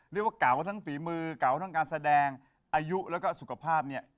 เรียกว่าเก่าทั้งฝีมือเก๋าทั้งการแสดงอายุแล้วก็สุขภาพเนี่ย